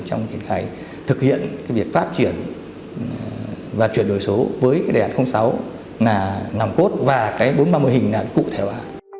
trong triển khai thực hiện việc phát triển và chuyển đổi số với đề án sáu là nằm cốt và cái bốn trăm ba mươi hình là cụ thể hóa